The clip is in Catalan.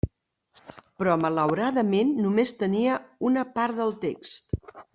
Però malauradament només tenia una part del text.